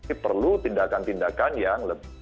ini perlu tindakan tindakan yang lebih